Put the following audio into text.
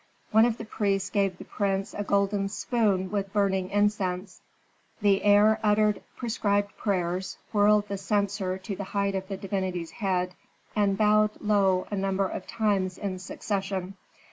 One of the priests gave the prince a golden spoon with burning incense. The heir uttered prescribed prayers, whirled the censer to the height of the divinity's head, and bowed low a number of times in succession.